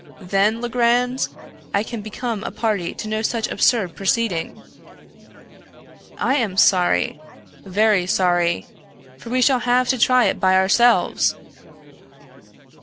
" Then, Legrand, I can become a party to no such absurd proceeding." " I am sorry — very sorry — for we shall have to try it by ourselves."